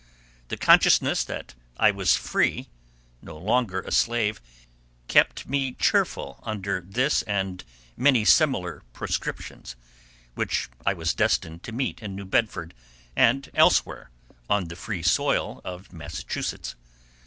The consciousness that I was free—no longer a slave—kept me cheerful under this, and many similar proscriptions, which I was destined to meet in New Bedford and elsewhere on the free soil of Massachusetts.